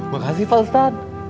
makasih pak ustadz